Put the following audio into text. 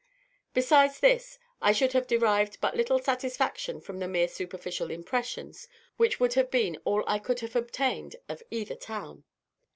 Besides this, I should have derived but little satisfaction from the mere superficial impressions which would have been all I could have obtained of either town.